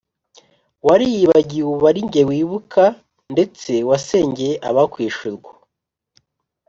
Wariyibagiw' ub' ari jye wibuka, Ndetse wasengey' abakwish' urwo